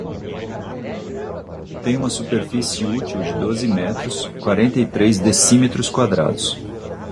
Tem uma superfície útil de doze metros, quarenta e três decímetros quadrados.